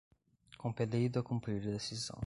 compelido a cumprir decisão